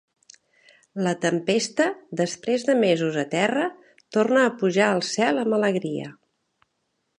La tempesta, després de mesos a terra, torna a pujar al cel amb alegria.